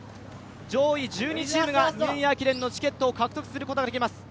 上位１２チームがニューイヤー駅伝のチケットを獲得できます。